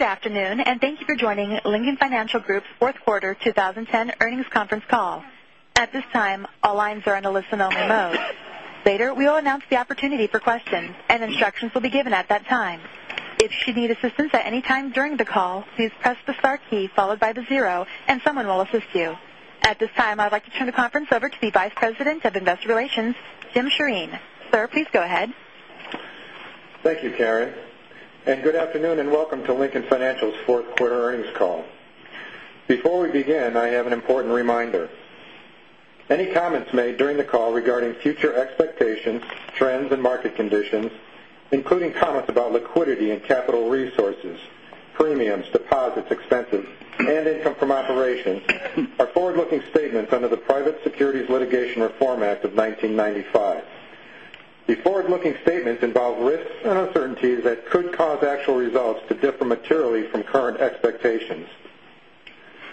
Thank you for joining Lincoln Financial Group's fourth quarter 2010 earnings conference call. At this time, all lines are in a listen-only mode. Later, we will announce the opportunity for questions, and instructions will be given at that time. If you need assistance at any time during the call, please press the star key followed by the zero, and someone will assist you. At this time, I'd like to turn the conference over to the Vice President of Investor Relations, Jim Sjoreen. Sir, please go ahead. Thank you, Karen, good afternoon, and welcome to Lincoln Financial's fourth quarter earnings call. Before we begin, I have an important reminder. Any comments made during the call regarding future expectations, trends, and market conditions, including comments about liquidity and capital resources, premiums, deposits, expenses, and income from operations, are forward-looking statements under the Private Securities Litigation Reform Act of 1995. The forward-looking statements involve risks and uncertainties that could cause actual results to differ materially from current expectations.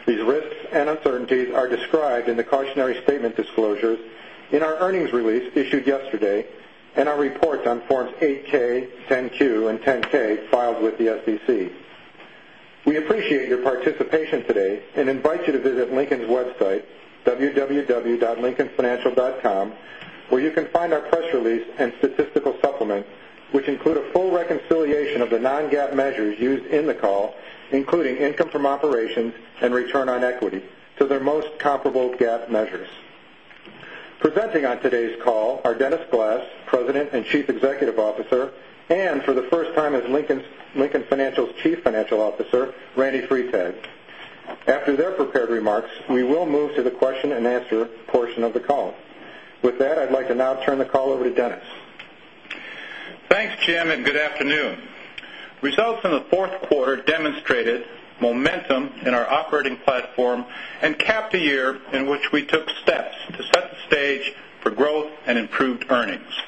These risks and uncertainties are described in the cautionary statement disclosures in our earnings release issued yesterday and our reports on Forms 8-K, 10-Q, and 10-K filed with the SEC. We appreciate your participation today and invite you to visit Lincoln's website, www.lincolnfinancial.com, where you can find our press release and statistical supplement, which include a full reconciliation of the non-GAAP measures used in the call, including income from operations and return on equity, to their most comparable GAAP measures. Presenting on today's call are Dennis Glass, President and Chief Executive Officer, and for the first time as Lincoln Financial's Chief Financial Officer, Randy Freitag. After their prepared remarks, we will move to the question-and-answer portion of the call. With that, I'd like to now turn the call over to Dennis. Thanks, Jim, good afternoon. Results from the fourth quarter demonstrated momentum in our operating platform and capped a year in which we took steps to set the stage for growth and improved earnings.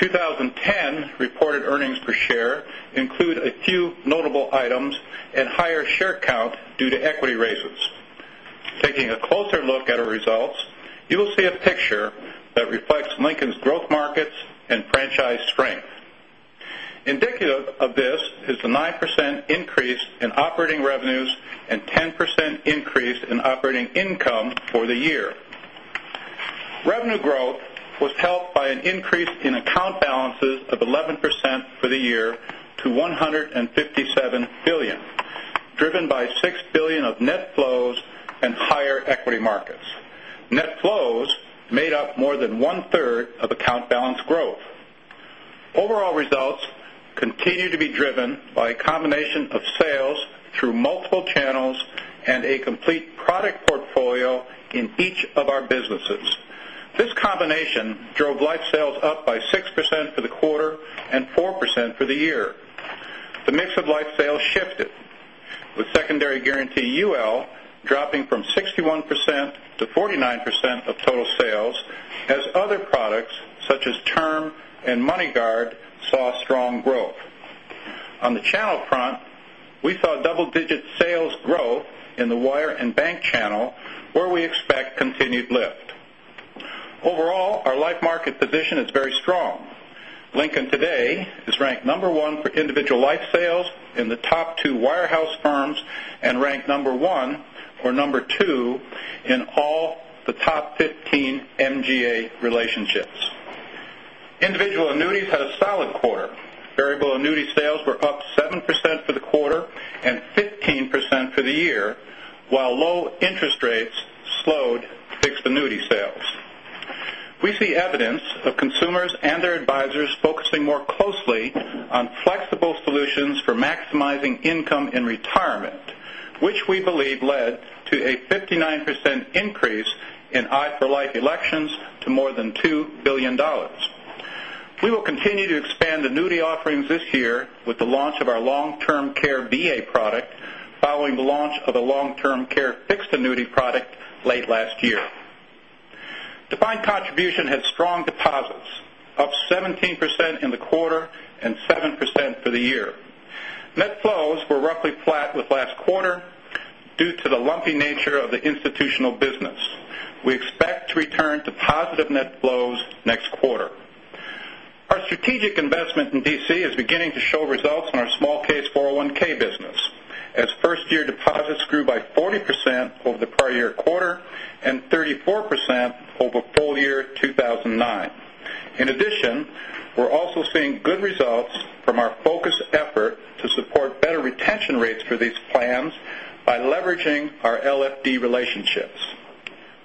2010 reported earnings per share include a few notable items and higher share count due to equity raises. Taking a closer look at our results, you will see a picture that reflects Lincoln's growth markets and franchise strength. Indicative of this is the 9% increase in operating revenues and 10% increase in operating income for the year. Revenue growth was helped by an increase in account balances of 11% for the year to $157 billion, driven by $6 billion of net flows and higher equity markets. Net flows made up more than one-third of account balance growth. Overall results continue to be driven by a combination of sales through multiple channels and a complete product portfolio in each of our businesses. This combination drove life sales up by 6% for the quarter and 4% for the year. The mix of life sales shifted, with secondary guarantee UL dropping from 61% to 49% of total sales as other products such as Term and MoneyGuard saw strong growth. On the channel front, we saw double-digit sales growth in the wire and bank channel, where we expect continued lift. Overall, our life market position is very strong. Lincoln today is ranked number one for individual life sales in the top two wirehouse firms and ranked number one or number two in all the top 15 MGA relationships. Individual annuities had a solid quarter. Variable annuity sales were up 7% for the quarter and 15% for the year, while low interest rates slowed fixed annuity sales. We see evidence of consumers and their advisors focusing more closely on flexible solutions for maximizing income in retirement, which we believe led to a 59% increase in i4LIFE elections to more than $2 billion. We will continue to expand annuity offerings this year with the launch of our long-term care VA product following the launch of the long-term care fixed annuity product late last year. Defined contribution had strong deposits, up 17% in the quarter and 7% for the year. Net flows were roughly flat with last quarter due to the lumpy nature of the institutional business. We expect to return to positive net flows next quarter. Our strategic investment in DC is beginning to show results in our small case 401 business, as first-year deposits grew by 40% over the prior year quarter and 34% over full year 2009. In addition, we're also seeing good results from our focused effort to support better retention rates for these plans by leveraging our LFD relationships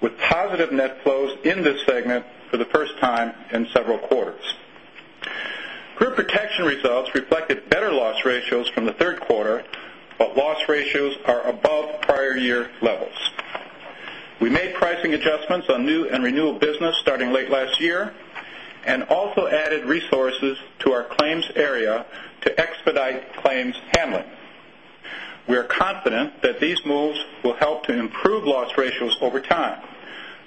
with positive net flows in this segment for the first time in several quarters. Group protection results reflected better loss ratios from the third quarter, but loss ratios are above prior year levels. We made pricing adjustments on new and renewal business starting late last year and also added resources to our claims area to expedite claims handling. We are confident that these moves will help to improve loss ratios over time.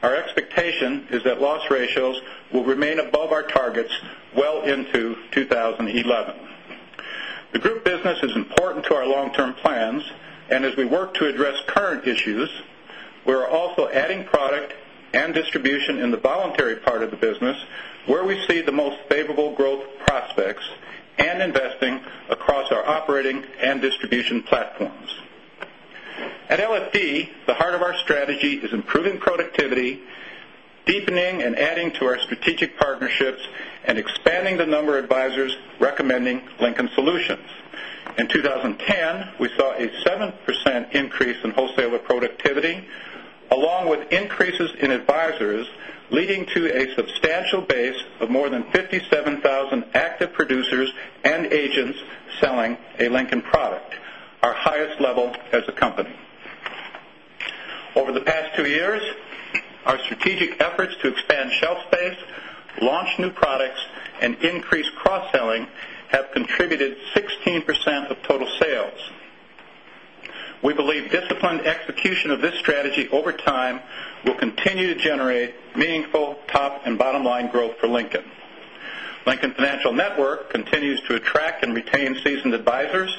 Our expectation is that loss ratios will remain above our targets well into 2011. The group business is important to our long-term trends. As we work to address current issues, we are also adding product and distribution in the voluntary part of the business, where we see the most favorable growth prospects and investing across our operating and distribution platforms. At LFD, the heart of our strategy is improving productivity, deepening and adding to our strategic partnerships, and expanding the number of advisors recommending Lincoln solutions. In 2010, we saw a 7% increase in wholesaler productivity, along with increases in advisors, leading to a substantial base of more than 57,000 active producers and agents selling a Lincoln product, our highest level as a company. Over the past two years, our strategic efforts to expand shelf space, launch new products, and increase cross-selling have contributed 16% of total sales. We believe disciplined execution of this strategy over time will continue to generate meaningful top and bottom line growth for Lincoln. Lincoln Financial Network continues to attract and retain seasoned advisors.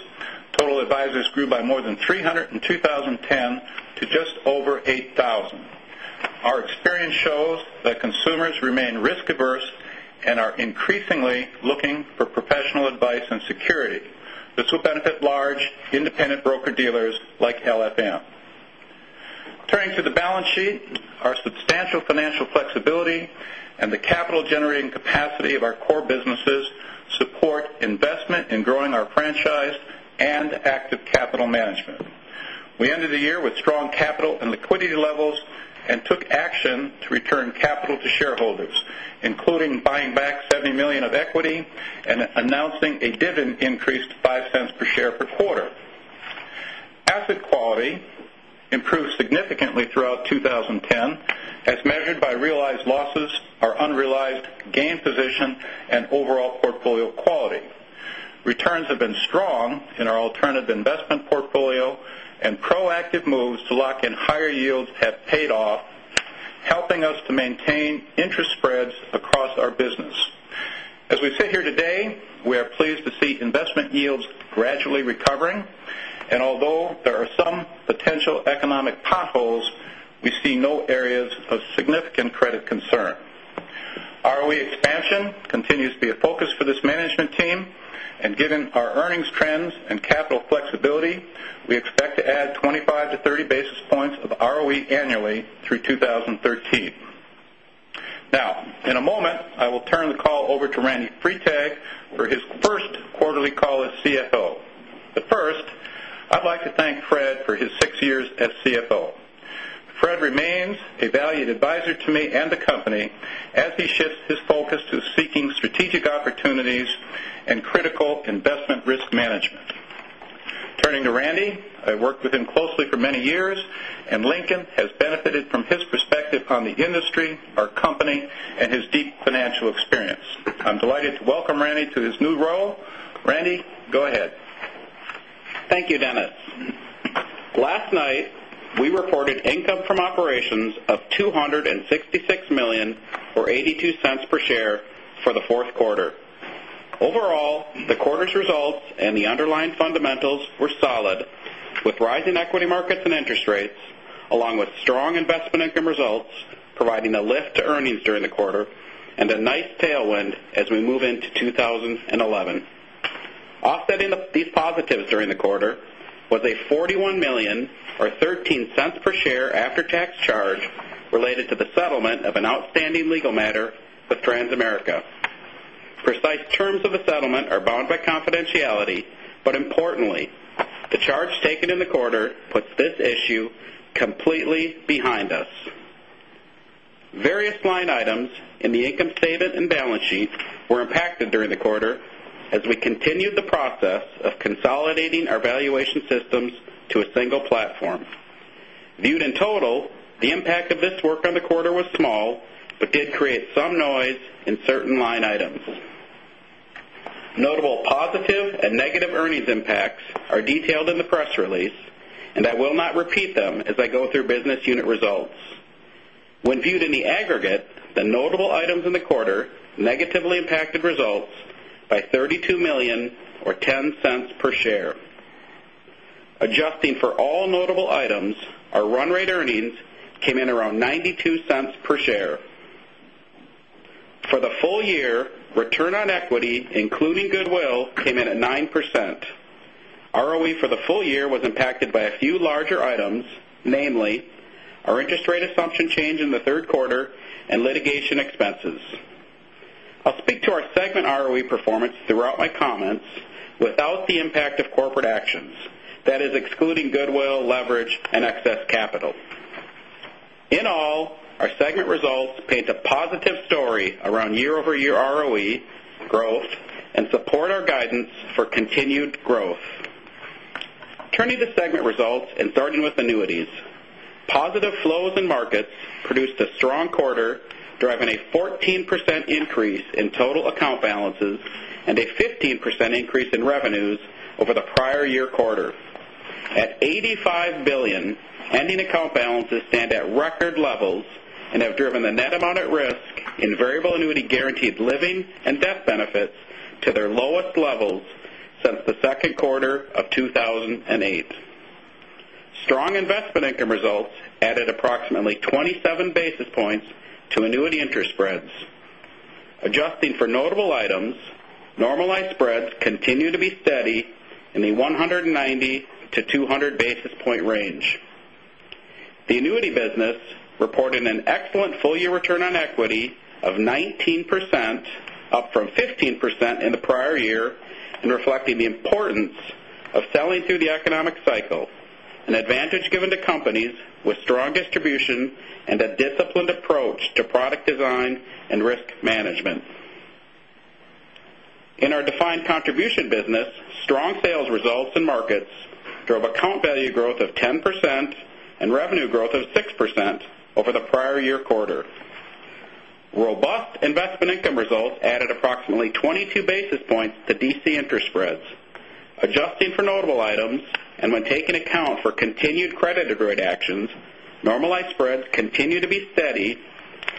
Total advisors grew by more than 300 in 2010 to just over 8,000. Our experience shows that consumers remain risk-averse and are increasingly looking for professional advice and security. This will benefit large independent broker-dealers like LFN. Turning to the balance sheet, our substantial financial flexibility and the capital-generating capacity of our core businesses support investment in growing our franchise and active capital management. We ended the year with strong capital and liquidity levels and took action to return capital to shareholders, including buying back $70 million of equity and announcing a dividend increase to $0.05 per share per quarter. Asset quality improved significantly throughout 2010, as measured by realized losses, our unrealized gain position, and overall portfolio quality. Returns have been strong in our alternative investment portfolio, and proactive moves to lock in higher yields have paid off, helping us to maintain interest spreads across our business. As we sit here today, we are pleased to see investment yields gradually recovering, and although there are some potential economic potholes, we see no areas of significant credit concern. ROE expansion continues to be a focus for this management team, and given our earnings trends and capital flexibility, we expect to add 25 to 30 basis points of ROE annually through 2013. In a moment, I will turn the call over to Randy Freitag for his first quarterly call as CFO. First, I'd like to thank Fred for his six years as CFO. Fred remains a valued advisor to me and the company as he shifts his focus to seeking strategic opportunities and critical investment risk management. Turning to Randy, I worked with him closely for many years, and Lincoln has benefited from his perspective on the industry, our company, and his deep financial experience. I'm delighted to welcome Randy to his new role. Randy, go ahead. Thank you, Dennis. Last night, we reported income from operations of $266 million or $0.82 per share for the fourth quarter. Overall, the quarter's results and the underlying fundamentals were solid, with rising equity markets and interest rates, along with strong investment income results providing a lift to earnings during the quarter, and a nice tailwind as we move into 2011. Offsetting these positives during the quarter was a $41 million or $0.13 per share after-tax charge related to the settlement of an outstanding legal matter with Transamerica. Precise terms of the settlement are bound by confidentiality, importantly, the charge taken in the quarter puts this issue completely behind us. Various line items in the income statement and balance sheet were impacted during the quarter as we continued the process of consolidating our valuation systems to a single platform. Viewed in total, the impact of this work on the quarter was small but did create some noise in certain line items. Notable positive and negative earnings impacts are detailed in the press release, and I will not repeat them as I go through business unit results. When viewed in the aggregate, the notable items in the quarter negatively impacted results by $32 million or $0.10 per share. Adjusting for all notable items, our run rate earnings came in around $0.92 per share. For the full year, return on equity, including goodwill, came in at 9%. ROE for the full year was impacted by a few larger items, namely our interest rate assumption change in the third quarter and litigation expenses. I'll speak to our segment ROE performance throughout my comments without the impact of corporate actions, that is excluding goodwill, leverage, and excess capital. In all, our segment results paint a positive story around year-over-year ROE growth and support our guidance for continued growth. Turning to segment results and starting with annuities. Positive flows in markets produced a strong quarter, driving a 14% increase in total account balances and a 15% increase in revenues over the prior year quarter. At $85 billion, ending account balances stand at record levels, have driven the net amount at risk in variable annuity guaranteed living and death benefits to their lowest levels since the second quarter of 2008. Strong investment income results added approximately 27 basis points to annuity interest spreads. Adjusting for notable items, normalized spreads continue to be steady in the 190 to 200 basis point range. The annuity business reported an excellent full year return on equity of 19%, up from 15% in the prior year, and reflecting the importance of selling through the economic cycle, an advantage given to companies with strong distribution and a disciplined approach to product design and risk management. In our defined contribution business, strong sales results and markets drove account value growth of 10% and revenue growth of 6% over the prior year quarter. Robust investment income results added approximately 22 basis points to DC interest spreads. Adjusting for notable items, and when taking account for continued credited rate actions, normalized spreads continue to be steady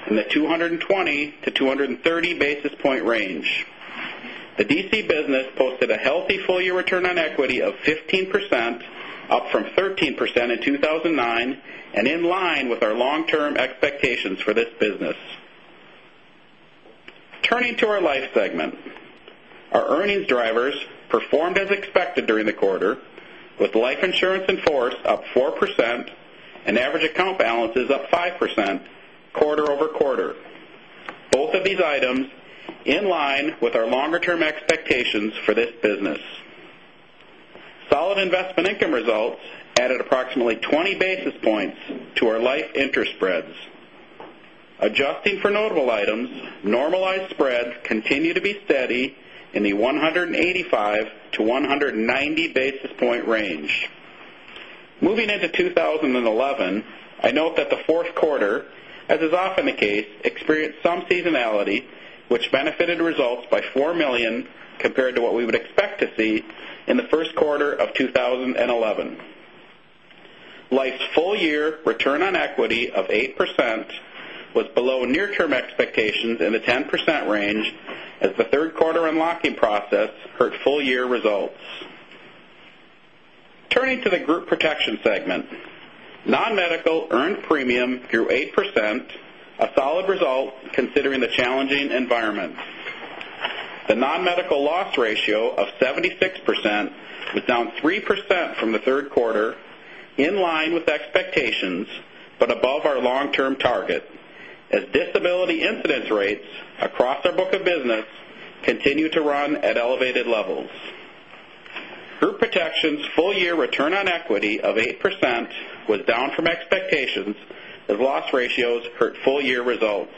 in the 220 to 230 basis point range. The DC business posted a healthy full year return on equity of 15%, up from 13% in 2009 and in line with our long-term expectations for this business. Turning to our life segment. Our earnings drivers performed as expected during the quarter, with life insurance in force up 4% and average account balances up 5% quarter-over-quarter. Both of these items in line with our longer-term expectations for this business. Solid investment income results added approximately 20 basis points to our life interest spreads. Adjusting for notable items, normalized spreads continue to be steady in the 185 to 190 basis point range. Moving into 2011, I note that the fourth quarter, as is often the case, experienced some seasonality, which benefited results by $4 million, compared to what we would expect to see in the first quarter of 2011. Life's full year return on equity of 8% was below near term expectations in the 10% range as the third quarter unlocking process hurt full year results. Turning to the group protection segment. Non-medical earned premium grew 8%, a solid result considering the challenging environment. The non-medical loss ratio of 76% was down 3% from the third quarter, in line with expectations, but above our long-term target as disability incidence rates across our book of business continue to run at elevated levels. Group Protection's full year return on equity of 8% was down from expectations as loss ratios hurt full year results.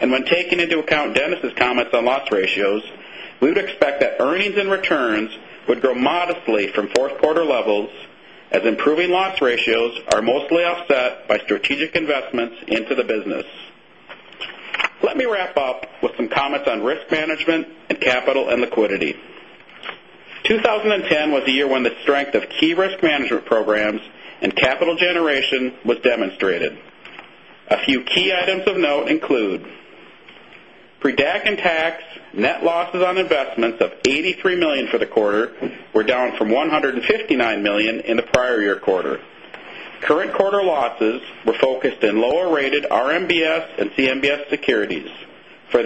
When taking into account Dennis' comments on loss ratios, we would expect that earnings and returns would grow modestly from fourth quarter levels as improving loss ratios are mostly offset by strategic investments into the business. Let me wrap up with some comments on risk management and capital and liquidity. 2010 was the year when the strength of key risk management programs and capital generation was demonstrated. A few key items of note include pre-DAC and tax net losses on investments of $83 million for the quarter were down from $159 million in the prior year quarter. Current quarter losses were focused in lower rated RMBS and CMBS securities. While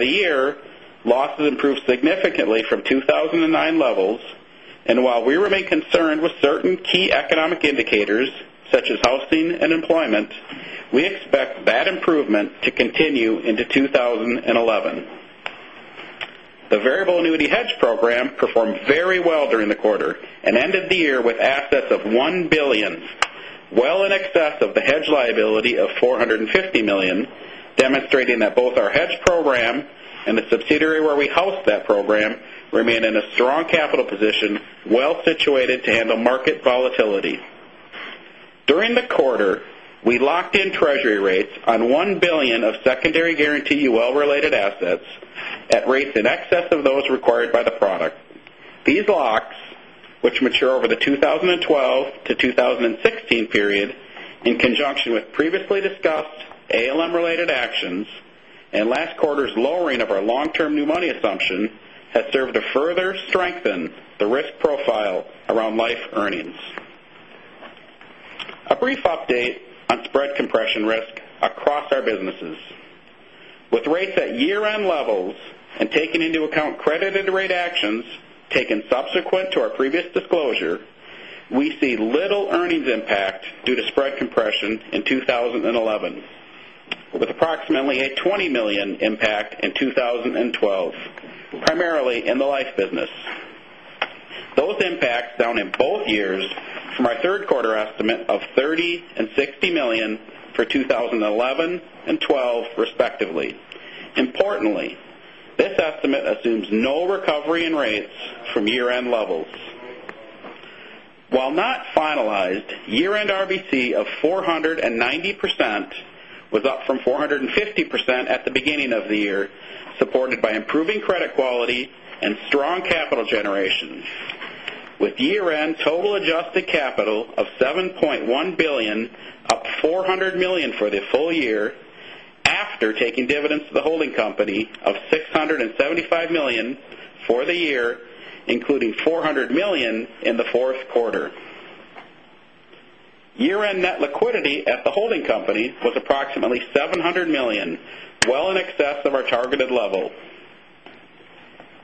we remain concerned with certain key economic indicators such as housing and employment, we expect that improvement to continue into 2011. The variable annuity hedge program performed very well during the quarter and ended the year with assets of $1 billion, well in excess of the hedge liability of $450 million, demonstrating that both our hedge program and the subsidiary where we house that program remain in a strong capital position, well situated to handle market volatility. During the quarter, we locked in treasury rates on $1 billion of secondary guarantee UL related assets at rates in excess of those required by the product. These locks, which mature over the 2012 to 2016 period, in conjunction with previously discussed ALM related actions and last quarter's lowering of our long-term new money assumption, has served to further strengthen the risk profile around life earnings. A brief update on spread compression risk across our businesses. With rates at year-end levels and taking into account credited rate actions taken subsequent to our previous disclosure, we see little earnings impact due to spread compression in 2011, with approximately a $20 million impact in 2012, primarily in the life business. Those impacts down in both years from our third quarter estimate of $30 million and $60 million for 2011 and 2012 respectively. Importantly, this estimate assumes no recovery in rates from year-end levels. While not finalized, year-end RBC of 490% was up from 450% at the beginning of the year, supported by improving credit quality and strong capital generation. With year-end total adjusted capital of $7.1 billion, up $400 million for the full year, after taking dividends to the holding company of $675 million for the year, including $400 million in the fourth quarter. Year-end net liquidity at the holding company was approximately $700 million, well in excess of our targeted level.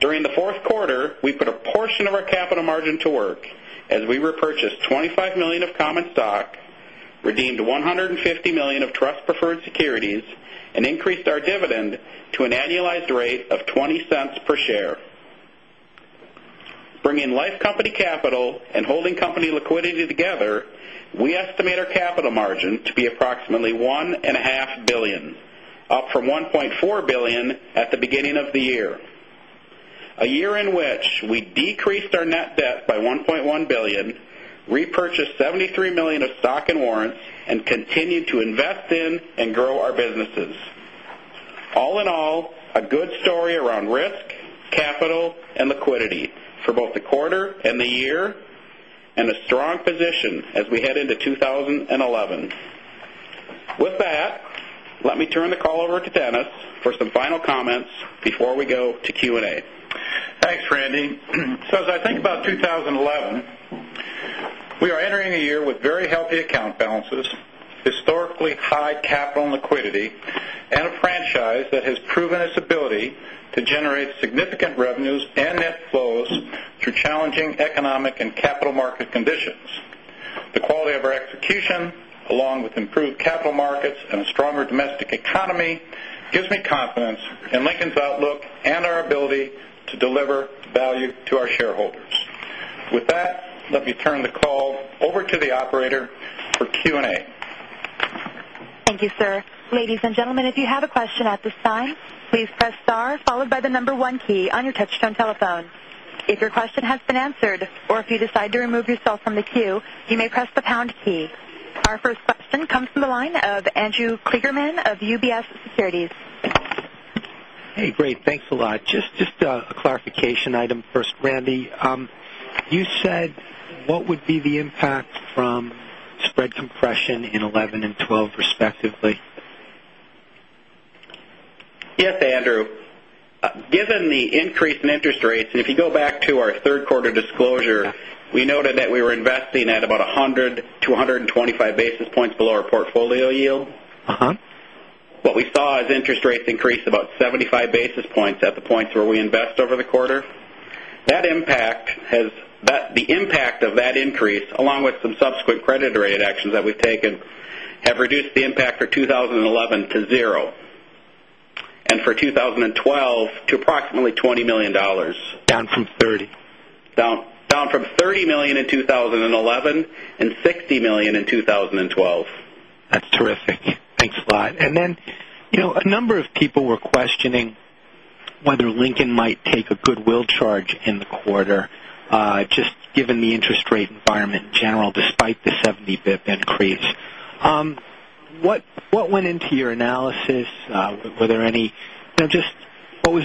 During the fourth quarter, we put a portion of our capital margin to work as we repurchased $25 million of common stock, redeemed $150 million of trust preferred securities, and increased our dividend to an annualized rate of $0.20 per share. Bringing life company capital and holding company liquidity together, we estimate our capital margin to be approximately $1.5 billion, up from $1.4 billion at the beginning of the year. A year in which we decreased our net debt by $1.1 billion, repurchased $73 million of stock and warrants and continued to invest in and grow our businesses. All in all, a good story around risk, capital, and liquidity for both the quarter and the year, and a strong position as we head into 2011. With that, let me turn the call over to Dennis for some final comments before we go to Q&A. Thanks, Randy. As I think about 2011, we are entering a year with very healthy account balances, historically high capital and liquidity, and a franchise that has proven its ability to generate significant revenues and net flows through challenging economic and capital market conditions. The quality of our execution, along with improved capital markets and a stronger domestic economy, gives me confidence in Lincoln's outlook and our ability to deliver value to our shareholders. With that, let me turn the call over to the operator for Q&A. Thank you, sir. Ladies and gentlemen, if you have a question at this time, please press star followed by the number 1 key on your touch-tone telephone. If your question has been answered or if you decide to remove yourself from the queue, you may press the pound key. Our first question comes from the line of Andrew Kligerman of UBS Securities. Hey, great. Thanks a lot. Just a clarification item first. Randy, you said what would be the impact from spread compression in 2011 and 2012 respectively? Yes, Andrew. Given the increase in interest rates, if you go back to our third quarter disclosure, we noted that we were investing at about 100-125 basis points below our portfolio yield. What we saw is interest rates increased about 75 basis points at the points where we invest over the quarter. The impact of that increase, along with some subsequent credit rate actions that we've taken, have reduced the impact for 2011 to zero, for 2012 to approximately $20 million. Down from $30. Down from $30 million in 2011 and $60 million in 2012. That's terrific. Thanks a lot. A number of people were questioning whether Lincoln might take a goodwill charge in the quarter, just given the interest rate environment in general despite the 70 pip increase. What went into your analysis? What was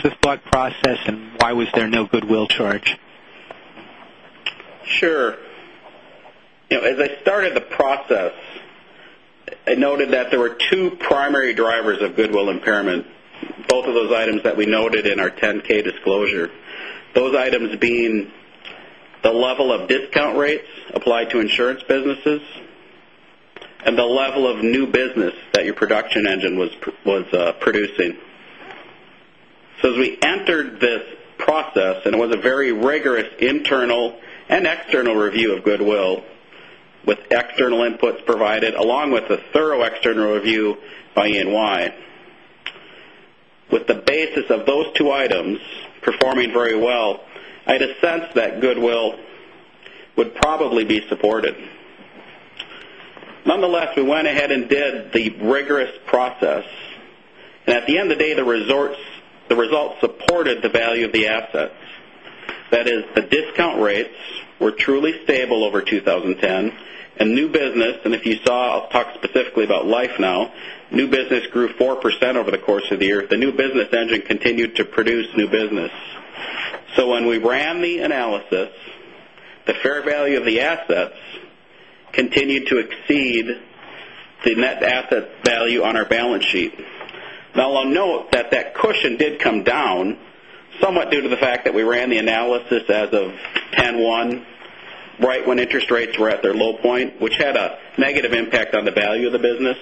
the thought process and why was there no goodwill charge? Sure. As I started the process, I noted that there were two primary drivers of goodwill impairment, both of those items that we noted in our 10-K disclosure. Those items being the level of discount rates applied to insurance businesses and the level of new business that your production engine was producing. As we entered this process, and it was a very rigorous internal and external review of goodwill with external inputs provided along with a thorough external review by E&Y. With the basis of those two items performing very well, I had a sense that goodwill would probably be supported. Nonetheless, we went ahead and did the rigorous process, and at the end of the day, the results supported the value of the assets. That is, the discount rates were truly stable over 2010 and new business, and if you saw, I'll talk specifically about Life now, new business grew 4% over the course of the year. The new business engine continued to produce new business. When we ran the analysis, the fair value of the assets continued to exceed the net asset value on our balance sheet. Now, I'll note that that cushion did come down somewhat due to the fact that we ran the analysis as of 10/1, right when interest rates were at their low point, which had a negative impact on the value of the business.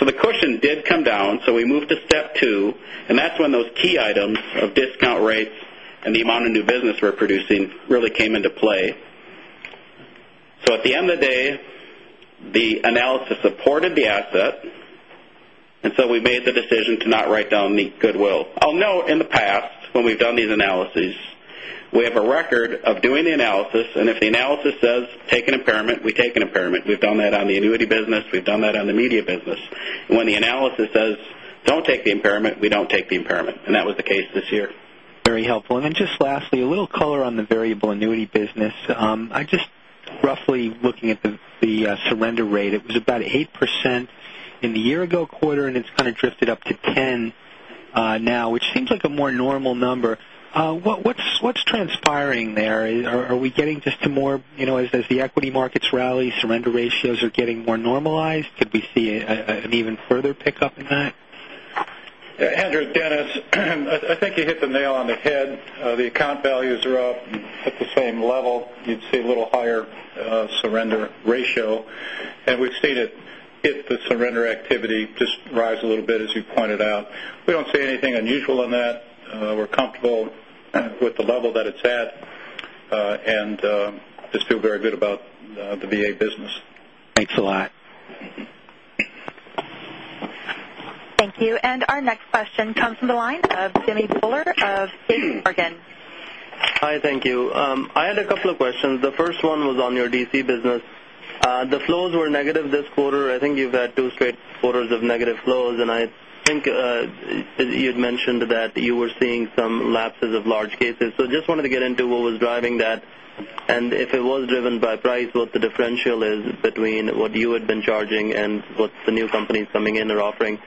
The cushion did come down, so we moved to step 2, and that's when those key items of discount rates and the amount of new business we're producing really came into play. At the end of the day, the analysis supported the asset, we made the decision to not write down the goodwill. I'll note in the past, when we've done these analyses, we have a record of doing the analysis, and if the analysis says take an impairment, we take an impairment. We've done that on the annuity business. We've done that on the media business. When the analysis says don't take the impairment, we don't take the impairment, and that was the case this year. Very helpful. Just lastly, a little color on the variable annuity business. Roughly looking at the surrender rate, it was about 8% in the year ago quarter, and it's kind of drifted up to 10% now, which seems like a more normal number. What's transpiring there? Are we getting just to more, as the equity markets rally, surrender ratios are getting more normalized? Could we see an even further pickup in that? Andrew, Dennis, I think you hit the nail on the head. The account values are up at the same level. You'd see a little higher surrender ratio, and we've seen it hit the surrender activity just rise a little bit, as you pointed out. We don't see anything unusual in that. We're comfortable with the level that it's at, and just feel very good about the VA business. Thanks a lot. Thank you. Our next question comes from the line of Jimmy Bhullar of JPMorgan. Hi, thank you. I had a couple of questions. The first one was on your DC business. The flows were negative this quarter. I think you've had 2 straight quarters of negative flows, and I think you'd mentioned that you were seeing some lapses of large cases. Just wanted to get into what was driving that, and if it was driven by price, what the differential is between what you had been charging and what the new companies coming in are offering.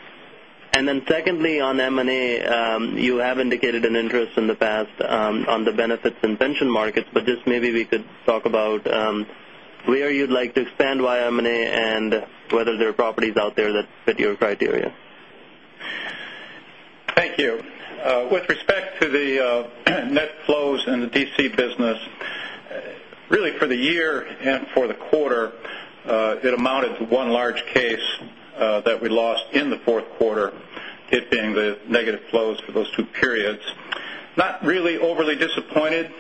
Secondly, on M&A, you have indicated an interest in the past, on the benefits and pension markets, but just maybe we could talk about, where you'd like to expand via M&A and whether there are properties out there that fit your criteria. Thank you. With respect to the net flows in the DC business, really for the year and for the quarter, it amounted to 1 large case that we lost in the Q4, it being the negative flows for those 2 periods. Not really overly disappointed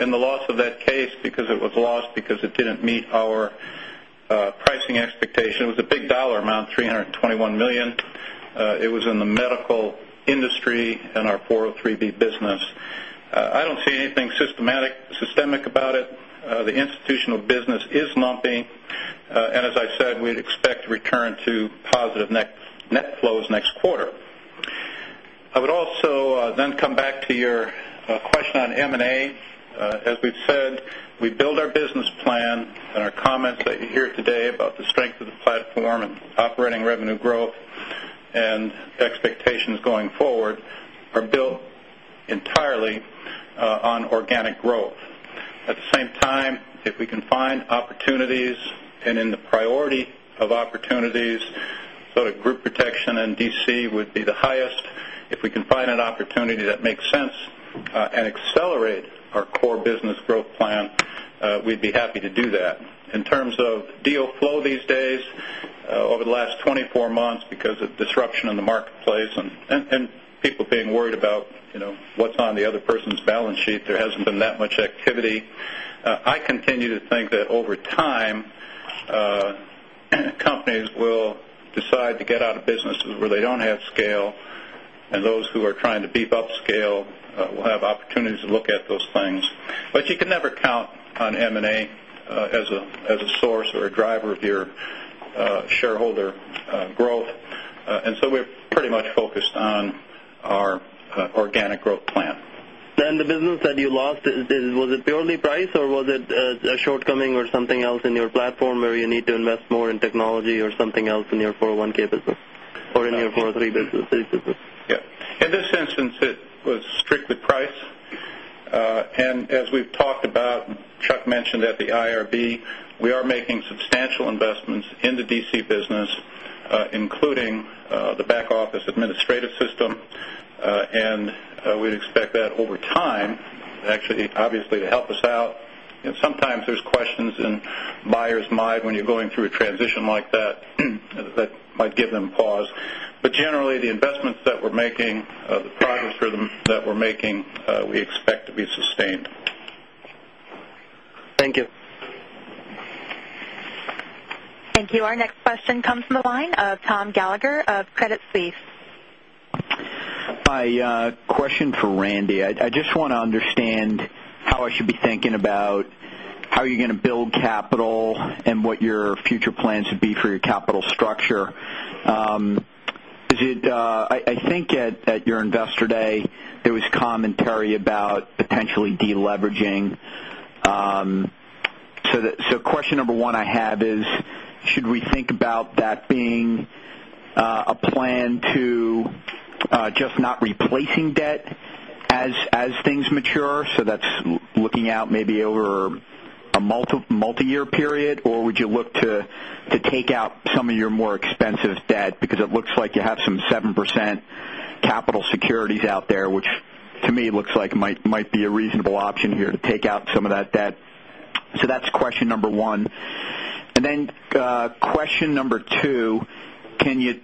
in the loss of that case because it was lost because it didn't meet our pricing expectation. It was a big dollar amount, $321 million. It was in the medical industry and our 403 business. I don't see anything systemic about it. The institutional business is lumping. As I said, we'd expect return to positive net flows next quarter. I would also come back to your question on M&A. As we've said, we build our business plan and our comments that you hear today about the strength of the platform and operating revenue growth and expectations going forward are built entirely on organic growth. At the same time, if we can find opportunities and in the priority of opportunities, group protection and DC would be the highest. If we can find an opportunity that makes sense, and accelerate our core business growth plan, we'd be happy to do that. In terms of deal flow these days, over the last 24 months, because of disruption in the marketplace and people being worried about what's on the other person's balance sheet, there hasn't been that much activity. I continue to think that over time, companies will decide to get out of businesses where they don't have scale, and those who are trying to beef up scale will have opportunities to look at those things. You can never count on M&A as a source or a driver of your shareholder growth. We're pretty much focused on our organic growth plan. The business that you lost, was it purely price, or was it a shortcoming or something else in your platform where you need to invest more in technology or something else in your 401 business or in your 403 business? Yeah. In this instance, it was strictly price. As we've talked about, Chuck mentioned at the IRD, we are making substantial investments in the DC business, including the back office administrative system. We'd expect that over time, actually, obviously to help us out. Sometimes there's questions in buyers' mind when you're going through a transition like that might give them pause. Generally, the investments that we're making, the progress that we're making, we expect to be sustained. Thank you. Thank you. Our next question comes from the line of Thomas Gallagher of Credit Suisse. Hi. Question for Randy. I just want to understand how I should be thinking about how you're going to build capital and what your future plans would be for your capital structure. I think at your Investor Day, there was commentary about potentially de-leveraging. Question number 1 I have is, should we think about that being a plan to just not replacing debt as things mature? That's looking out maybe over a multi-year period, or would you look to take out some of your more expensive debt? Because it looks like you have some 7% capital securities out there, which to me looks like might be a reasonable option here to take out some of that debt. That's question number 1. Question number 2, can you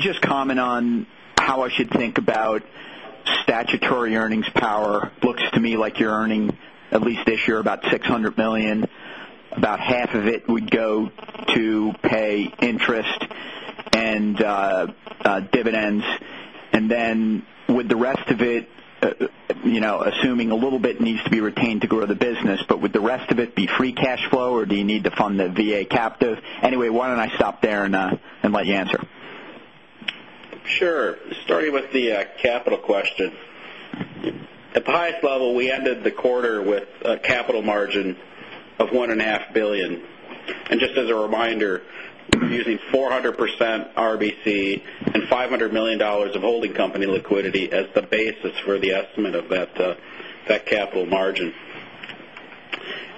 just comment on how I should think about statutory earnings power? Looks to me like you're earning at least this year about $600 million. About half of it would go to pay interest and dividends. Would the rest of it, assuming a little bit needs to be retained to grow the business, would the rest of it be free cash flow, or do you need to fund the VA captive? Anyway, why don't I stop there and let you answer? Sure. Starting with the capital question. At the highest level, we ended the quarter with a capital margin of $1.5 billion. Just as a reminder, using 400% RBC and $500 million of holding company liquidity as the basis for the estimate of that capital margin.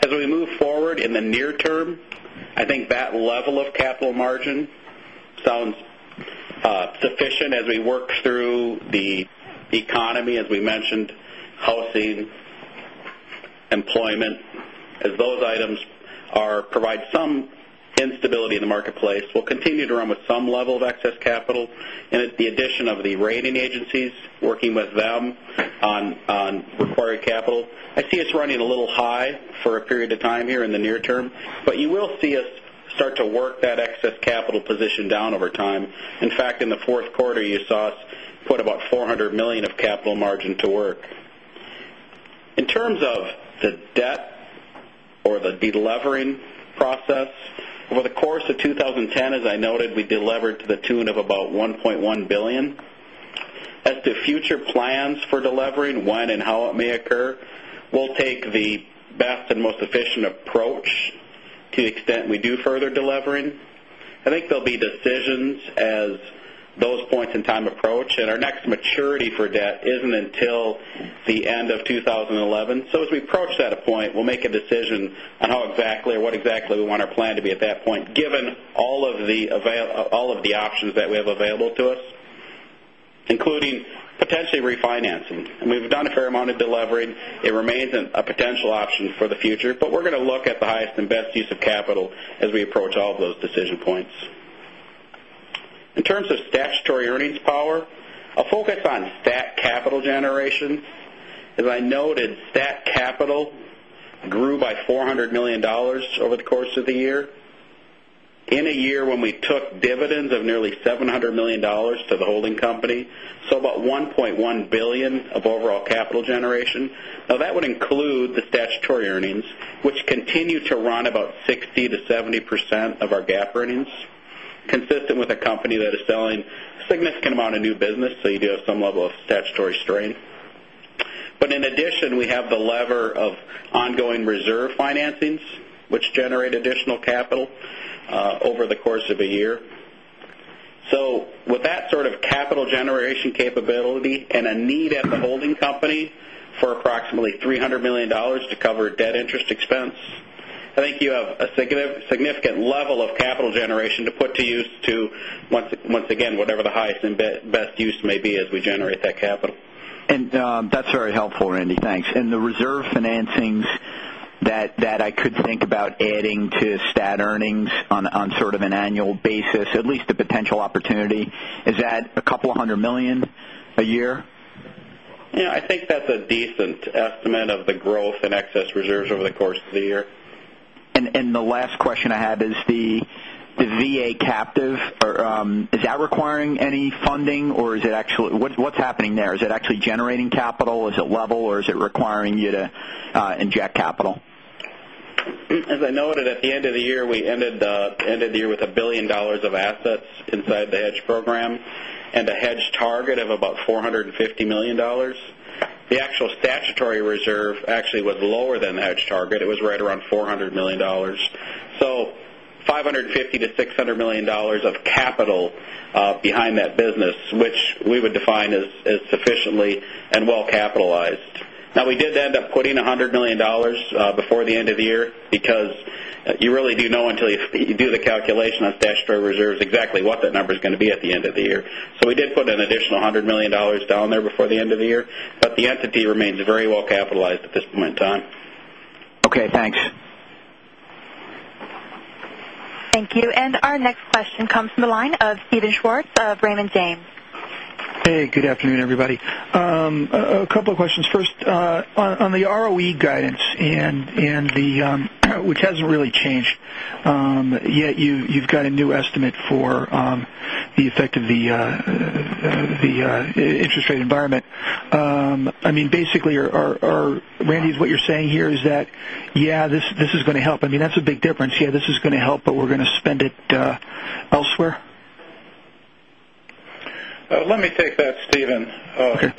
As we move forward in the near term, I think that level of capital margin sounds sufficient as we work through the economy, as we mentioned, housing, employment. As those items provide some instability in the marketplace, we'll continue to run with some level of excess capital. The addition of the rating agencies, working with them on required capital. I see us running a little high for a period of time here in the near term. You will see us start to work that excess capital position down over time. In fact, in the fourth quarter, you saw us put about $400 million of capital margin to work. In terms of the debt or the de-levering process, over the course of 2010, as I noted, we de-levered to the tune of about $1.1 billion. As to future plans for de-levering, when and how it may occur, we'll take the best and most efficient approach to the extent we do further de-levering. I think there'll be decisions as those points in time approach. Our next maturity for debt isn't until the end of 2011. As we approach that point, we'll make a decision on how exactly or what exactly we want our plan to be at that point, given all of the options that we have available to us, including potentially refinancing. We've done a fair amount of de-levering. It remains a potential option for the future. We're going to look at the highest and best use of capital as we approach all of those decision points. In terms of statutory earnings power, a focus on stat capital generation. As I noted, stat capital grew by $400 million over the course of the year. In a year when we took dividends of nearly $700 million to the holding company, about $1.1 billion of overall capital generation. That would include the statutory earnings, which continue to run about 60%-70% of our GAAP earnings, consistent with a company that is selling a significant amount of new business. You do have some level of statutory strain. In addition, we have the lever of ongoing reserve financings, which generate additional capital over the course of a year. With that sort of capital generation capability and a need at the holding company for approximately $300 million to cover debt interest expense, I think you have a significant level of capital generation to put to use to, once again, whatever the highest and best use may be as we generate that capital. That's very helpful, Randy. Thanks. The reserve financings that I could think about adding to stat earnings on sort of an annual basis, at least a potential opportunity, is that a couple of hundred million a year? Yeah, I think that's a decent estimate of the growth in excess reserves over the course of the year. The last question I have is the VA captive. Is that requiring any funding? What's happening there? Is it actually generating capital? Is it level, or is it requiring you to inject capital? As I noted, at the end of the year, we ended the year with $1 billion of assets inside the hedge program and a hedge target of about $450 million. The actual statutory reserve actually was lower than the hedge target. It was right around $400 million. $550 million-$600 million of capital behind that business, which we would define as sufficiently and well capitalized. We did end up putting $100 million before the end of the year because you really do know until you do the calculation on statutory reserves exactly what that number is going to be at the end of the year. We did put an additional $100 million down there before the end of the year. The entity remains very well capitalized at this point in time. Okay, thanks. Thank you. Our next question comes from the line of Steven Schwartz of Raymond James. Hey, good afternoon, everybody. A couple of questions. First, on the ROE guidance, which hasn't really changed, yet you've got a new estimate for the effect of the interest rate environment. Basically, Randy, is what you're saying here is that, yeah, this is going to help. That's a big difference. Yeah, this is going to help, but we're going to spend it elsewhere? Let me take that, Steven. Okay.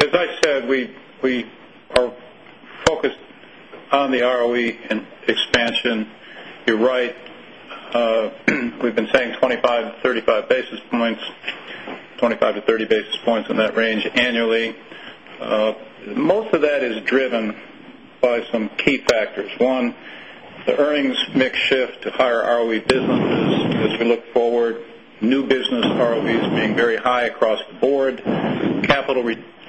As I said, we are focused on the ROE and expansion. You're right. We've been saying 25 to 35 basis points, 25 to 30 basis points in that range annually. Most of that is driven by some key factors. One, the earnings mix shift to higher ROE businesses as we look forward. New business ROEs being very high across the board. Capital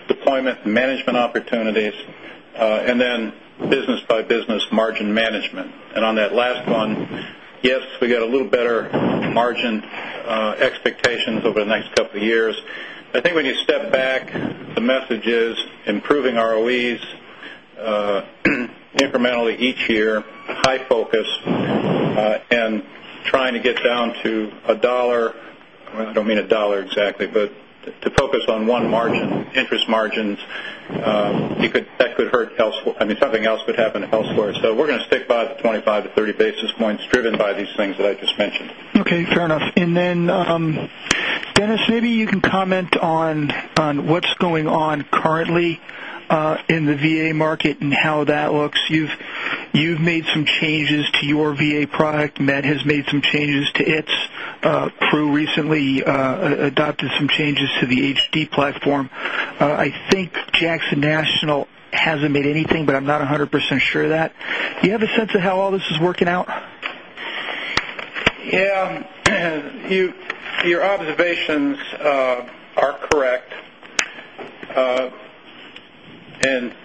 deployment and management opportunities. Then business by business margin management. On that last one, yes, we got a little better margin expectations over the next couple of years. I think when you step back, the message is improving ROEs incrementally each year, high focus, and trying to get down to a dollar. I don't mean a dollar exactly, but to focus on one margin, interest margins That could hurt elsewhere. Something else could happen elsewhere. We're going to stick by the 25 to 30 basis points driven by these things that I just mentioned. Okay, fair enough. Dennis, maybe you can comment on what's going on currently in the VA market and how that looks. You've made some changes to your VA product. MetLife has made some changes to its crew, recently adopted some changes to the HDVA platform. I think Jackson National hasn't made anything, but I'm not 100% sure of that. Do you have a sense of how all this is working out? Yeah. Your observations are correct.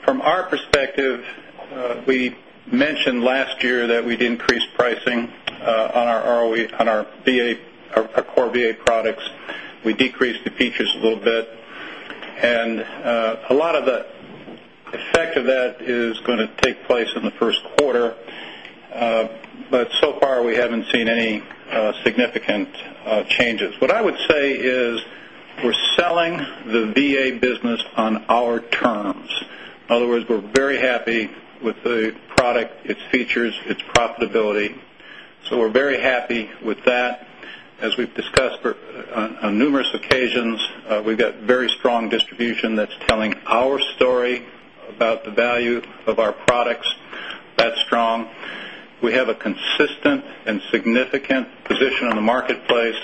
From our perspective, we mentioned last year that we'd increase pricing on our core VA products. We decreased the features a little bit, and a lot of the effect of that is going to take place in the first quarter. So far, we haven't seen any significant changes. What I would say is we're selling the VA business on our terms. In other words, we're very happy with the product, its features, its profitability. We're very happy with that. As we've discussed on numerous occasions, we've got very strong distribution that's telling our story about the value of our products. That's strong. We have a consistent and significant position in the marketplace,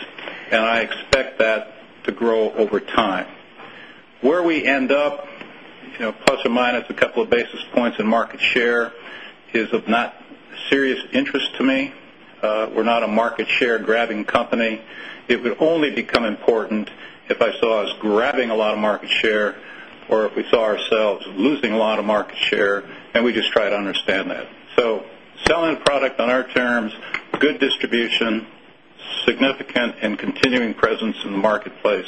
and I expect that to grow over time. Where we end up, plus or minus a couple of basis points in market share, is of not serious interest to me. We're not a market share grabbing company. It would only become important if I saw us grabbing a lot of market share or if we saw ourselves losing a lot of market share, we just try to understand that. Selling the product on our terms, good distribution, significant and continuing presence in the marketplace.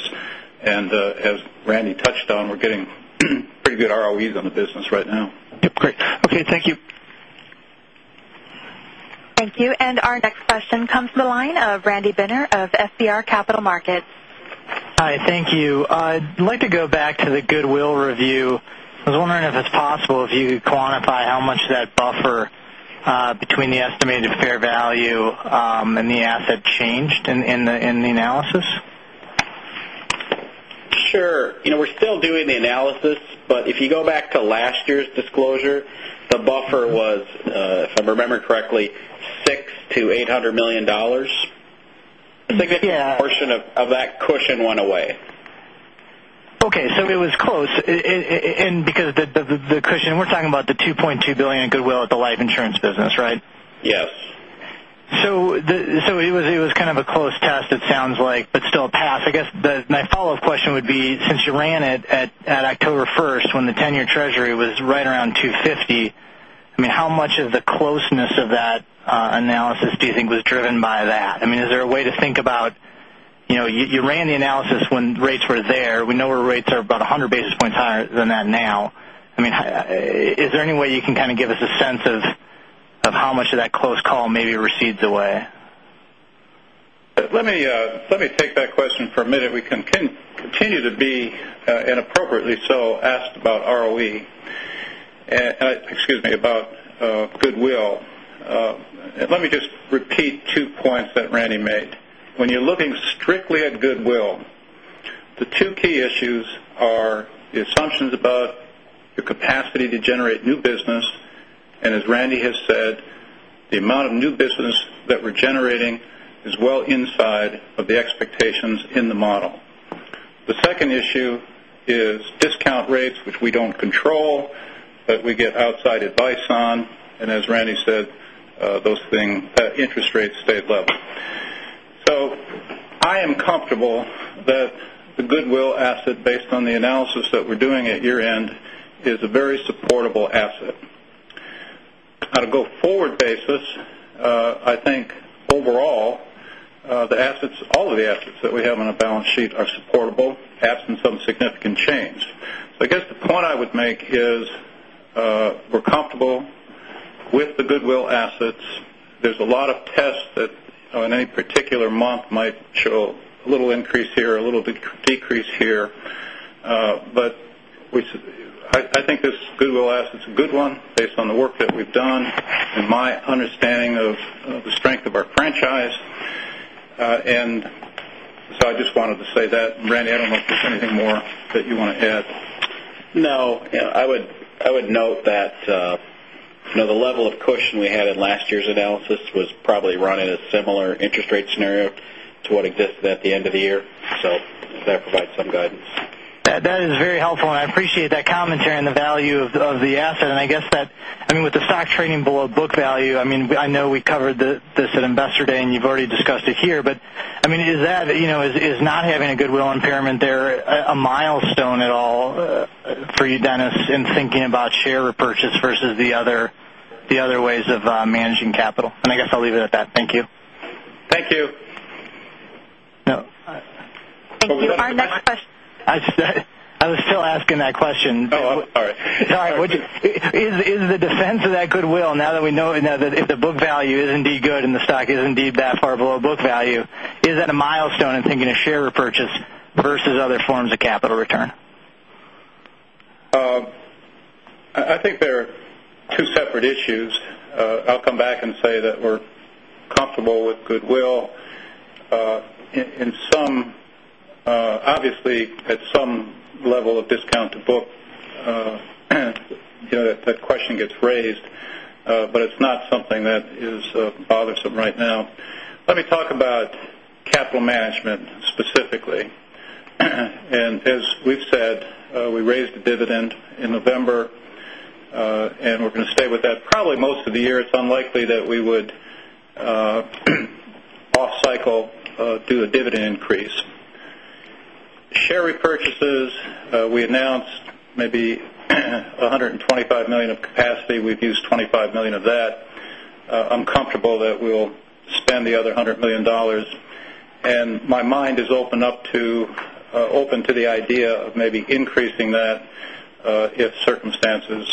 As Randy touched on, we're getting pretty good ROEs on the business right now. Yep, great. Okay, thank you. Thank you. Our next question comes from the line of Randy Binner of FBR Capital Markets. Hi, thank you. I'd like to go back to the goodwill review. I was wondering if it's possible, if you could quantify how much that buffer between the estimated fair value, and the asset changed in the analysis. Sure. We're still doing the analysis, but if you go back to last year's disclosure, the buffer was, if I remember correctly, $600 million to $800 million. A significant portion of that cushion went away. Okay. It was close. Because the cushion, we're talking about the $2.2 billion in goodwill at the life insurance business, right? Yes. It was kind of a close test, it sounds like, but still a pass. I guess my follow-up question would be, since you ran it at October 1st when the 10-year Treasury was right around 250, how much of the closeness of that analysis do you think was driven by that? Is there a way to think about, you ran the analysis when rates were there. We know our rates are about 100 basis points higher than that now. Is there any way you can kind of give us a sense of how much of that close call maybe recedes away? Let me take that question for a minute. We continue to be, and appropriately so, asked about ROE. Excuse me, about goodwill. Let me just repeat two points that Randy made. When you're looking strictly at goodwill, the two key issues are the assumptions about the capacity to generate new business, and as Randy has said, the amount of new business that we're generating is well inside of the expectations in the model. The second issue is discount rates, which we don't control, but we get outside advice on, and as Randy said, those things, interest rates stay level. I am comfortable that the goodwill asset, based on the analysis that we're doing at year-end, is a very supportable asset. On a go-forward basis, I think overall, all of the assets that we have on a balance sheet are supportable, absent some significant change. I guess the point I would make is, we're comfortable with the goodwill assets. There's a lot of tests that on any particular month might show a little increase here, a little decrease here. I think this goodwill asset's a good one based on the work that we've done and my understanding of the strength of our franchise. I just wanted to say that. Randy, I don't know if there's anything more that you want to add. No. I would note that the level of cushion we had in last year's analysis was probably run in a similar interest rate scenario to what existed at the end of the year. That provides some guidance. That is very helpful, I appreciate that commentary on the value of the asset. I guess that with the stock trading below book value, I know we covered this at Investor Day, and you've already discussed it here, but is not having a goodwill impairment there a milestone at all for you, Dennis, in thinking about share repurchase versus the other ways of managing capital? I guess I'll leave it at that. Thank you. Thank you. No. Thank you. Our next question. I was still asking that question. Oh, sorry. Sorry. Is the defense of that goodwill, now that we know that if the book value is indeed good and the stock is indeed that far below book? Is that a milestone in thinking of share repurchase versus other forms of capital return? I think they are two separate issues. I'll come back and say that we're comfortable with goodwill. Obviously, at some level of discount to book, that question gets raised, but it's not something that is bothersome right now. Let me talk about capital management specifically. As we've said, we raised the dividend in November, and we're going to stay with that probably most of the year. It's unlikely that we would off cycle do a dividend increase. Share repurchases, we announced maybe $125 million of capacity. We've used $25 million of that. I'm comfortable that we'll spend the other $100 million. My mind is open to the idea of maybe increasing that if circumstances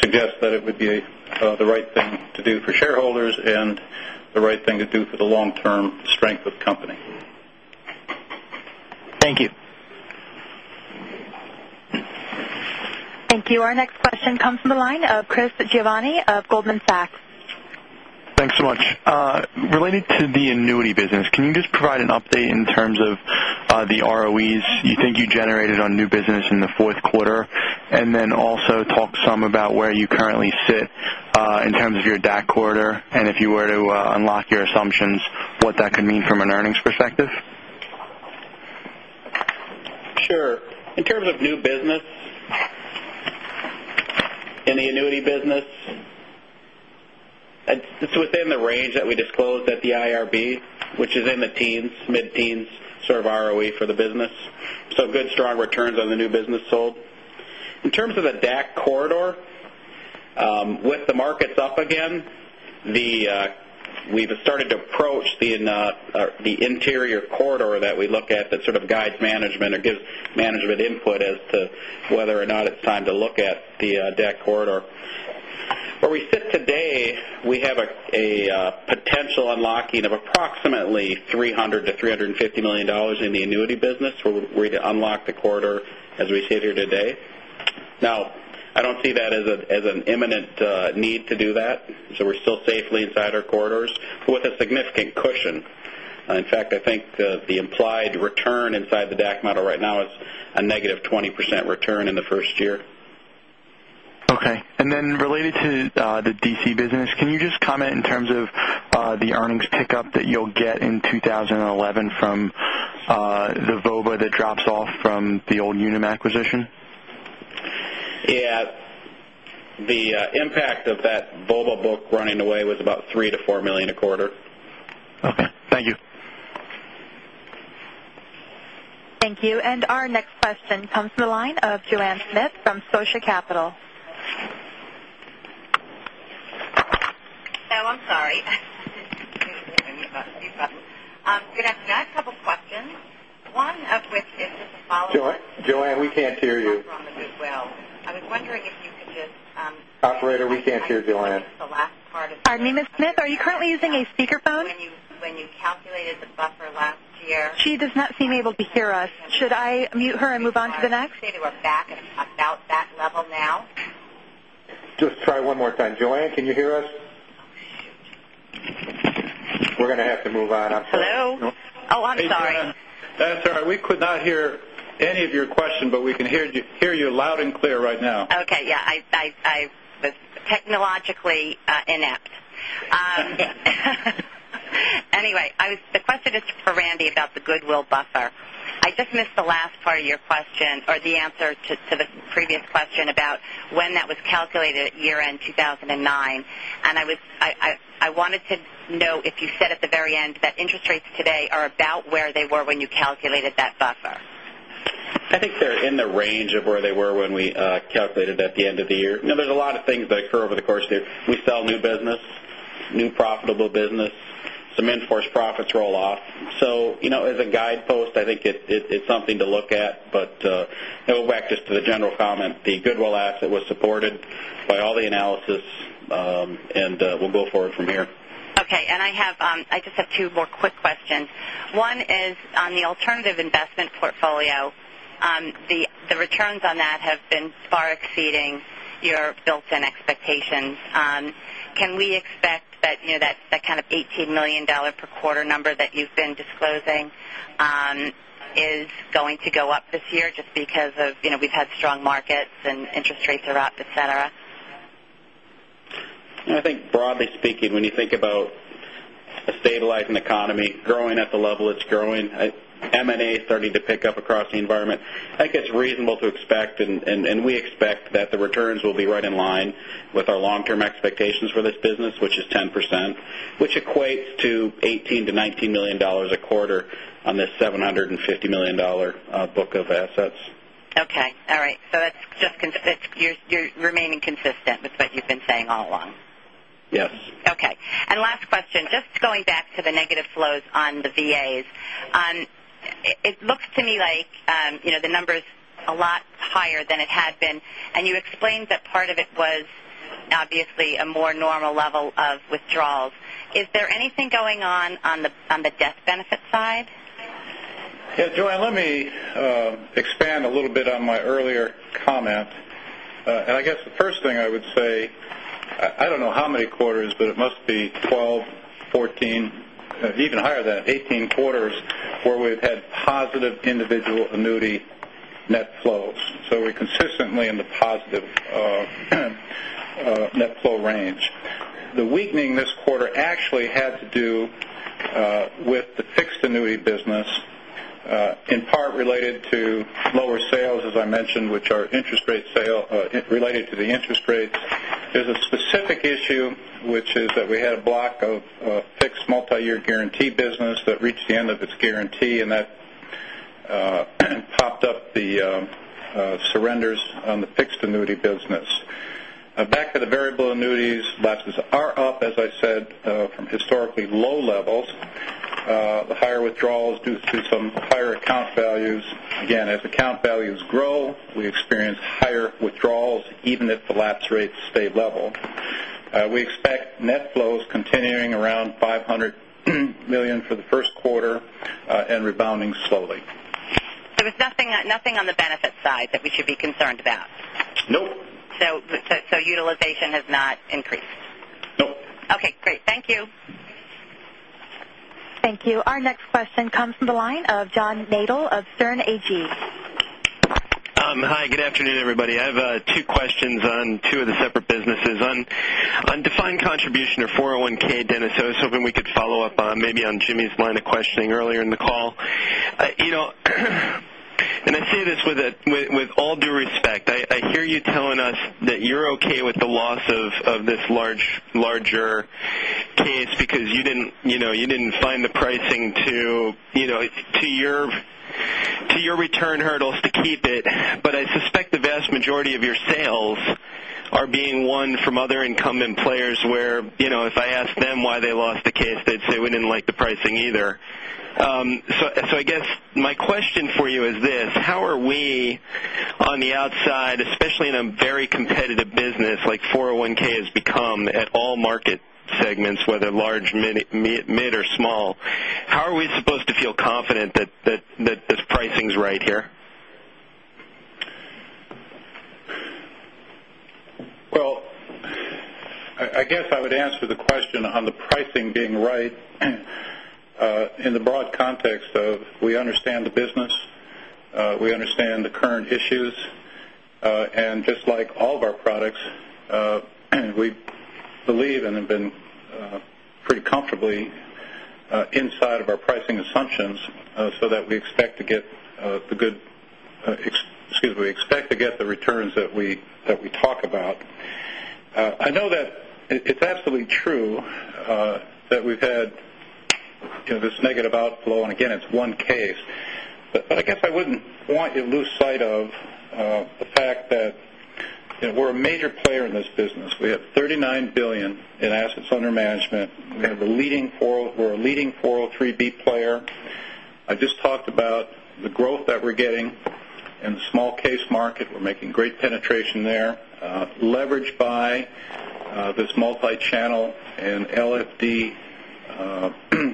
suggest that it would be the right thing to do for shareholders and the right thing to do for the long-term strength of the company. Thank you. Thank you. Our next question comes from the line of Chris Giovanni of Goldman Sachs. Thanks so much. Related to the annuity business, can you just provide an update in terms of the ROEs you think you generated on new business in the fourth quarter? Talk some about where you currently sit in terms of your DAC corridor, and if you were to unlock your assumptions, what that could mean from an earnings perspective. Sure. In terms of new business in the annuity business, it's within the range that we disclosed at the IRD, which is in the mid-teens sort of ROE for the business. Good, strong returns on the new business sold. In terms of the DAC corridor, with the markets up again, we've started to approach the interior corridor that we look at that sort of guides management or gives management input as to whether or not it's time to look at the DAC corridor. Where we sit today, we have a potential unlocking of approximately $300 million-$350 million in the annuity business were we to unlock the corridor as we sit here today. I don't see that as an imminent need to do that, we're still safely inside our corridors with a significant cushion. In fact, I think the implied return inside the DAC model right now is a negative 20% return in the first year. Okay. Then related to the DC business, can you just comment in terms of the earnings pickup that you'll get in 2011 from the VOBA that drops off from the old Unum acquisition? Yeah. The impact of that VOBA book running away was about $3 million-$4 million a quarter. Okay. Thank you. Thank you. Our next question comes from the line of Joanne Smith from Scotia Capital. Oh, I'm sorry. Good afternoon. I have a couple questions, one of which is just a follow-up. Joanne, we can't hear you. From the goodwill. I was wondering if you could just Operator, we can't hear Joanne. Pardon me, Ms. Smith. Are you currently using a speakerphone? When you calculated the buffer last year. She does not seem able to hear us. Should I mute her and move on to the next? Say that we're back at about that level now. Just try one more time. Joanne, can you hear us? We're going to have to move on. I'm sorry. Hello. Oh, I'm sorry. Hey, Joanne. That's all right. We could not hear any of your question, we can hear you loud and clear right now. Okay. Yeah. I was technologically inept. Anyway, the question is for Randy about the goodwill buffer. I just missed the last part of your question or the answer to the previous question about when that was calculated at year-end 2009. I wanted to know if you said at the very end that interest rates today are about where they were when you calculated that buffer. I think they're in the range of where they were when we calculated at the end of the year. There's a lot of things that occur over the course of the year. We sell new business, new profitable business. Some in-force profits roll off. As a guidepost, I think it's something to look at. Going back just to the general comment, the goodwill asset was supported by all the analysis, and we'll go forward from here. Okay. I just have two more quick questions. One is on the alternative investment portfolio. The returns on that have been far exceeding your built-in expectations. Can we expect that kind of $18 million per quarter number that you've been disclosing is going to go up this year just because of we've had strong markets and interest rates are up, et cetera? I think broadly speaking, when you think about a stabilizing economy growing at the level it's growing, M&A starting to pick up across the environment, I think it's reasonable to expect, and we expect that the returns will be right in line with our long-term expectations for this business, which is 10%, which equates to $18 million-$19 million a quarter on this $750 million book of assets. Okay. All right. You're remaining consistent with what you've been saying all along. Yes. Last question, just going back to the negative flows on the VAs. It looks to me like the number is a lot higher than it had been, and you explained that part of it was obviously a more normal level of withdrawals. Is there anything going on the death benefit side? Yeah, Joanne, let me expand a little bit on my earlier comment. I guess the first thing I would say, I don't know how many quarters, but it must be 12, 14, even higher than that, 18 quarters where we've had positive individual annuity net flows. We're consistently in the positive net flow range. The weakening this quarter actually had to do with the fixed annuity business, in part related to lower sales, as I mentioned, which are related to the interest rates. There's a specific issue, which is that we had a block of fixed multi-year guarantee business that reached the end of its guarantee, and that popped up the surrenders on the fixed annuity business. Back to the variable annuities, lapses are up, as I said, from historically low levels. The higher withdrawals due to some higher account values. Again, as account values grow, we experience higher withdrawals even if the lapse rates stay level. We expect net flows continuing around $500 million for the first quarter and rebounding slowly. There's nothing on the benefit side that we should be concerned about? No. utilization has not increased? No. Okay, great. Thank you. Thank you. Our next question comes from the line of John Nadel of Sterne Agee. Hi, good afternoon, everybody. I have two questions on two of the separate businesses. On defined contribution or 401(k), Dennis, I was hoping we could follow up on maybe on Jimmy's line of questioning earlier in the call. I say this with all due respect. I hear you telling us that you're okay with the loss of this larger case because you didn't find the pricing to your return hurdles to keep it. I suspect the vast majority of your sales are being won from other incumbent players where, if I ask them why they lost the case, they'd say, "We didn't like the pricing either." I guess my question for you is this: how are we on the outside, especially in a very competitive business like 401 has become at all market segments, whether large, mid, or small, how are we supposed to feel confident that this pricing is right here? Well, I guess I would answer the question on the pricing being right in the broad context of we understand the business, we understand the current issues, just like all of our products, we believe and have been pretty comfortably inside of our pricing assumptions so that we expect to get the returns that we talk about. I know that it's absolutely true that we've had this negative outflow, again, it's one case. I guess I wouldn't want you to lose sight of the fact that we're a major player in this business. We have $39 billion in assets under management. We're a leading 403 player. I just talked about the growth that we're getting in the small case market. We're making great penetration there, leveraged by this multi-channel and LFD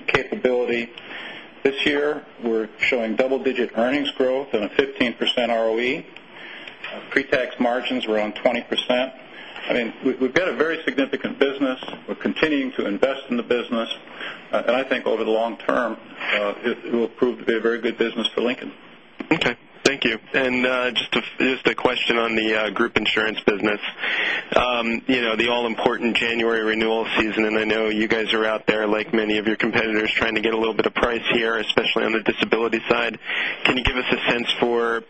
capability. This year, we're showing double-digit earnings growth on a 15% ROE. Pre-tax margins were on 20%. We've got a very significant business. We're continuing to invest in the business. I think over the long term, it will prove to be a very good business for Lincoln. Okay. Thank you. Just a question on the group insurance business. The all-important January renewal season, I know you guys are out there like many of your competitors trying to get a little bit of price here, especially on the disability side. Can you give us a sense for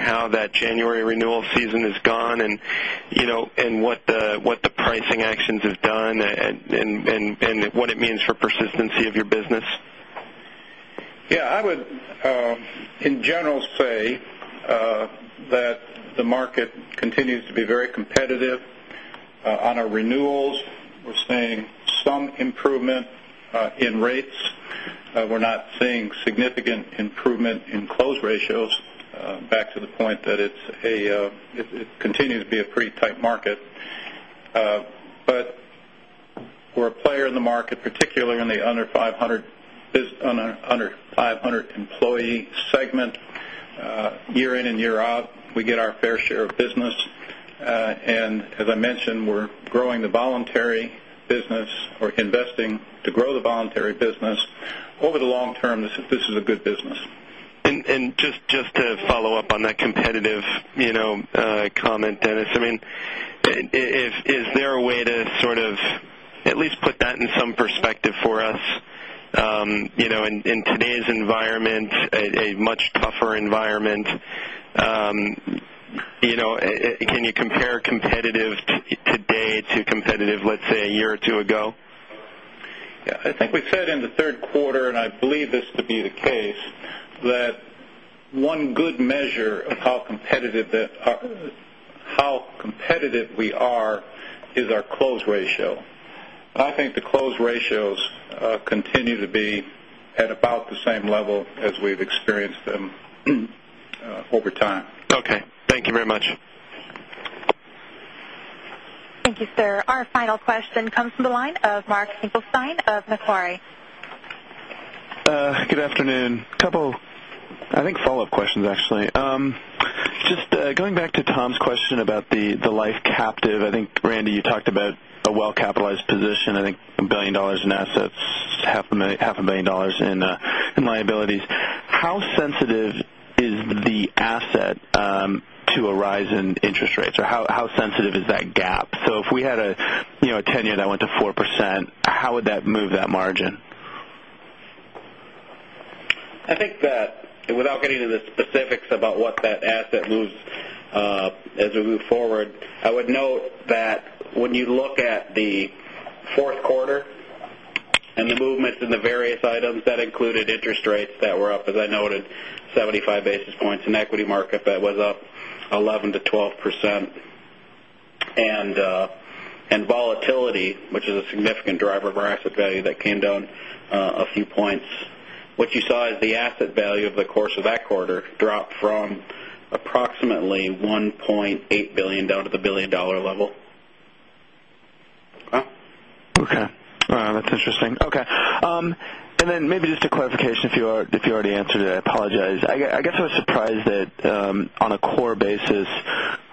how that January renewal season has gone and what the pricing actions have done and what it means for persistency of your business? I would in general say that the market continues to be very competitive. On our renewals, we're seeing some improvement in rates. We're not seeing significant improvement in close ratios back to the point that it continues to be a pretty tight market. We're a player in the market, particularly in the under 500 employee segment. Year in and year out, we get our fair share of business. As I mentioned, we're growing the voluntary business. We're investing to grow the voluntary business. Over the long term, this is a good business. Just to follow up on that competitive comment, Dennis, is there a way to sort of at least put that in some perspective for us? In today's environment, a much tougher environment, can you compare competitive today to competitive, let's say, a year or two ago? Yeah. I think we said in the third quarter, I believe this to be the case, that one good measure of how competitive we are is our close ratio. I think the close ratios continue to be at about the same level as we've experienced them over time. Okay. Thank you very much. Thank you, sir. Our final question comes from the line of Mark Finkelstein of Macquarie. Good afternoon. Couple, I think follow-up questions, actually. Just going back to Tom's question about the life captive. I think, Randy, you talked about a well-capitalized position, I think $1 billion in assets, $0.5 billion in liabilities. How sensitive is the asset to a rise in interest rates? Or how sensitive is that gap? If we had a 10-year that went to 4%, how would that move that margin? I think that without getting into the specifics about what that asset moves as we move forward, I would note that when you look at the fourth quarter and the movements in the various items, that included interest rates that were up, as I noted, 75 basis points, an equity market that was up 11%-12%. Volatility, which is a significant driver of our asset value, that came down a few points. What you saw is the asset value over the course of that quarter drop from approximately $1.8 billion down to the $1 billion level. Okay. That's interesting. Okay. Then maybe just a clarification if you already answered it, I apologize. I guess I was surprised that on a core basis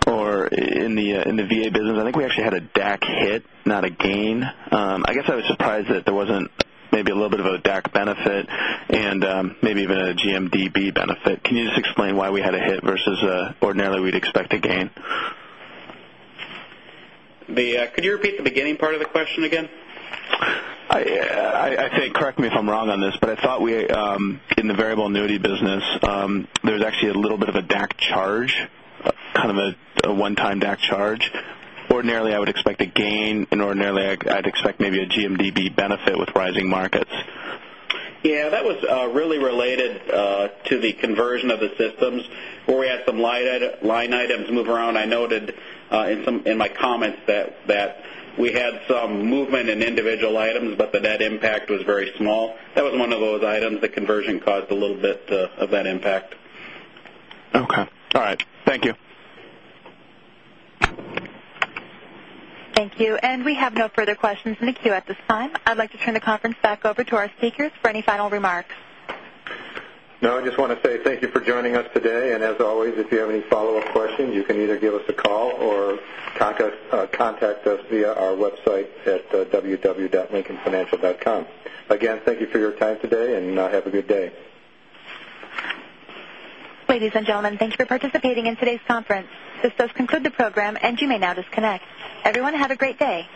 or in the VA business, I think we actually had a DAC hit, not a gain. I guess I was surprised that there wasn't maybe a little bit of a DAC benefit and maybe even a GMDB benefit. Can you just explain why we had a hit versus ordinarily we'd expect a gain? Could you repeat the beginning part of the question again? I think, correct me if I'm wrong on this, but I thought in the variable annuity business there was actually a little bit of a DAC charge. Kind of a one-time DAC charge. Ordinarily, I would expect a gain, and ordinarily, I'd expect maybe a GMDB benefit with rising markets. Yeah, that was really related to the conversion of the systems where we had some line items move around. I noted in my comments that we had some movement in individual items, but the net impact was very small. That was one of those items. The conversion caused a little bit of that impact. Okay. All right. Thank you. Thank you. We have no further questions in the queue at this time. I'd like to turn the conference back over to our speakers for any final remarks. No, I just want to say thank you for joining us today. As always, if you have any follow-up questions, you can either give us a call or contact us via our website at www.lincolnfinancial.com. Again, thank you for your time today, and have a good day. Ladies and gentlemen, thank you for participating in today's conference. This does conclude the program, and you may now disconnect. Everyone, have a great day.